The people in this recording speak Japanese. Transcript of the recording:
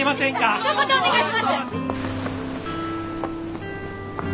ひと言お願いします！